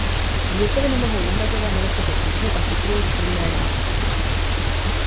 Bílkoviny mohou nahrazovat nedostatek tuků a cukrů v krmné dávce.